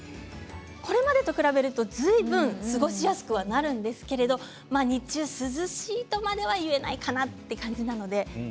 これまでと比べるとずいぶん過ごしやすくはなるんですけれど日中、涼しいとまではいえないかなという感じです。